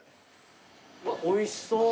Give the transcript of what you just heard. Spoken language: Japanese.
おいしそう。